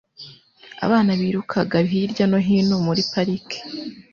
Abana birukaga hirya no hino muri parike.